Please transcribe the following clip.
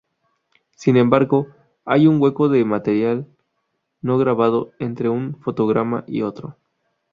Sin embargo, hay un hueco de material no grabado entre un fotograma y otro.